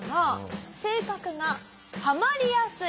性格が「ハマりやすい」。